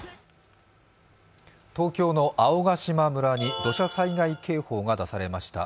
東京の青ヶ島村に土砂災害警報が出されました。